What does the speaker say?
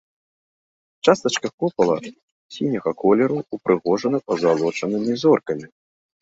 Частачка купала сіняга колеру, упрыгожана пазалочанымі зоркамі.